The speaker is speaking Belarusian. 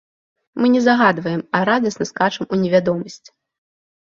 Мы не загадваем, а радасна скачам у невядомасць.